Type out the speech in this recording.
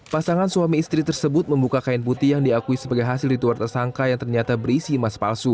pasangan suami istri tersebut membuka kain putih yang diakui sebagai hasil ritual tersangka yang ternyata berisi emas palsu